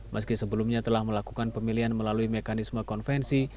meski sebelumnya telah melakukan pemilihan melalui mekanisme konvensi